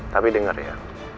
tapi dengar ya